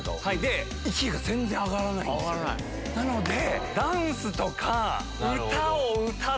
なので。